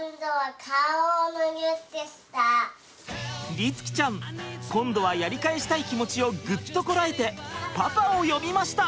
律貴ちゃん今度はやり返したい気持ちをグッとこらえてパパを呼びました。